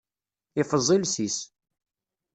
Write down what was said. Iffeẓ iles-is.